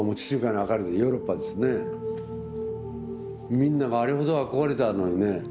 みんながあれほど憧れたのにね